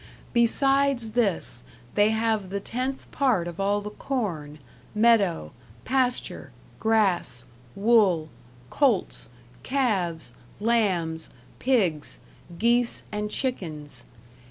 Besides this, they have the tenth part of all the corne, medowe, pasture, grasse, wolle, coltes, calves, lambes, pigges, gese and chikens.